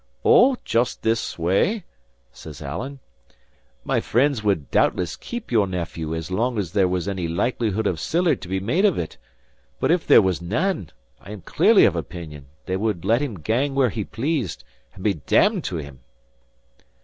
"Ou, just this way," says Alan. "My friends would doubtless keep your nephew as long as there was any likelihood of siller to be made of it, but if there was nane, I am clearly of opinion they would let him gang where he pleased, and be damned to him!"